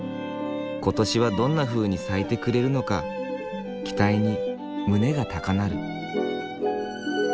今年はどんなふうに咲いてくれるのか期待に胸が高鳴る。